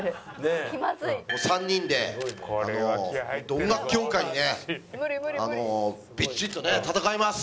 ３人で音楽業界にねびっちりとね戦います！